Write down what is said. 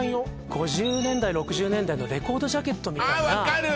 ５０年代６０年代のレコードジャケットみたいなあっ分かる！